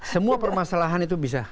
semua permasalahan itu bisa